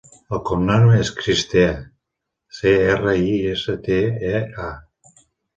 El cognom és Cristea: ce, erra, i, essa, te, e, a.